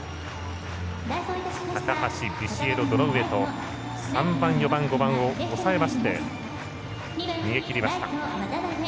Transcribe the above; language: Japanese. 高橋、ビシエド、堂上と３番、４番、５番を抑えまして逃げきりました。